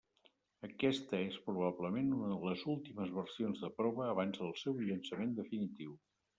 Aquesta és probablement una de les últimes versions de prova abans del seu llançament definitiu.